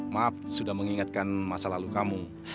maaf sudah mengingatkan masa lalu kamu